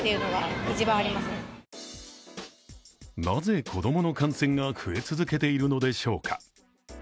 なぜ子供の感染が増え続けているのでしょうか。